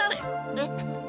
えっ？